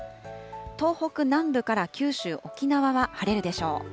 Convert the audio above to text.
東北南部から九州、沖縄は晴れるでしょう。